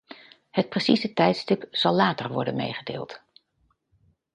Het precieze tijdstip zal later worden meegedeeld.